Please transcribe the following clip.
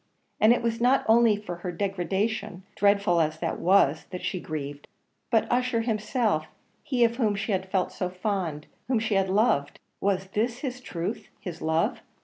And it was not only for her own degradation, dreadful as that was, that she grieved, but Ussher himself he of whom she had felt so fond whom she had so loved was this his truth, his love?